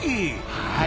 はい。